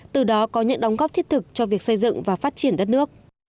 từ đó có những đóng góp thiết thực cho việc xây dựng và phát triển đất nước